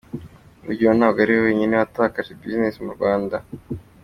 Rujugiro ntabwo ari we wenyine watakaje buzinesi mu Rwanda.